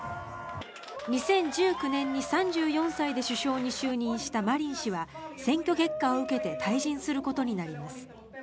２０１９年に３４歳で首相に就任したマリン氏は選挙結果を受けて退陣することになります。